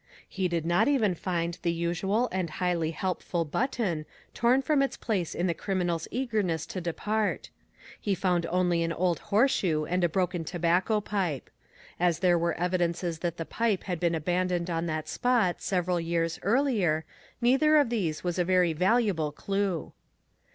He did not even find the usual and highly helpful button, torn from its place in the criminal's eagerness to depart. He found only an old horseshoe and a broken tobacco pipe. As there were evidences that the pipe had been abandoned on that spot several years earlier, neither of these was a very valuable clue.